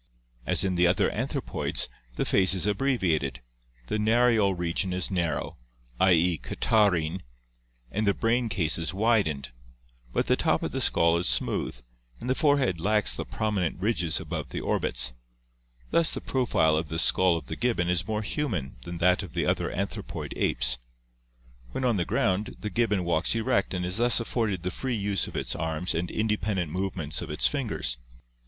As in the other anthropoids, the face is abbreviated, the narial region is narrow, *. e., catarrhine, and the brain case is widened, but the top of the skull is smooth, and the forehead lacks the prominent ridges above the orbits; thus the profile of the skull of the gibbon is more human than that of the other anthropoid apes. When on the ground the gibbon walks erect and is thus afforded the free use of its arms and independent movements of its fingers.